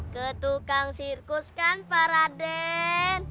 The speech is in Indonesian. ke tukang sirkus kan pak raden